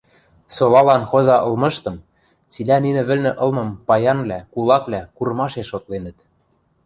Солалан хоза ылмыштым, цилӓ нинӹ вӹлнӹ ылмым паянвлӓ, кулаквлӓ курымашеш шотленӹт.